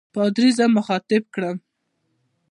پادري زه مخاطب کړم.